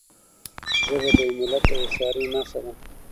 ژبه د یو ملت د هوښیارۍ نښه ده.